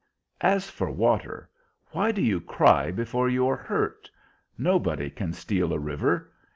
"As for water, why do you cry before you are hurt? Nobody can steal a river.